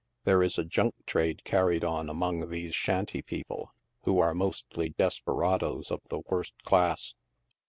There is a junk trade carried on among these shanty people, who are mostly desperadoes of the worst class.